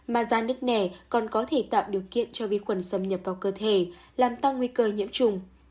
masan nứt nẻ còn có thể tạo điều kiện cho vi khuẩn xâm nhập vào cơ thể làm tăng nguy cơ nhiễm trùng